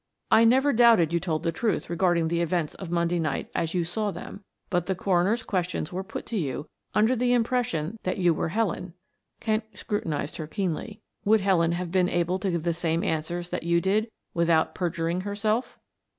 "I never doubted you told the truth regarding the events of Monday night as you saw them, but the coroner's questions were put to you under the impression that you were Helen." Kent scrutinized her keenly. "Would Helen have been able to give the same answers that you did without perjuring herself?"